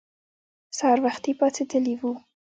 سهار وختي پاڅېدلي وو.